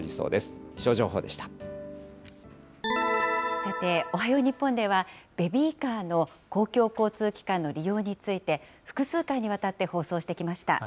さて、おはよう日本では、ベビーカーの公共交通機関の利用について、複数回にわたって放送してきました。